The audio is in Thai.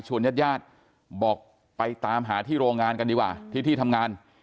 ญาติญาติบอกไปตามหาที่โรงงานกันดีกว่าที่ที่ทำงาน